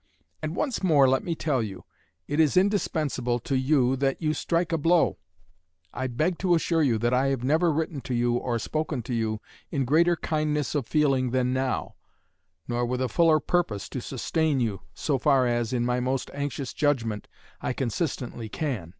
And once more let me tell you, it is indispensable to you that you strike a blow.... I beg to assure you that I have never written to you or spoken to you in greater kindness of feeling than now, nor with a fuller purpose to sustain you, so far as, in my most anxious judgment, I consistently can.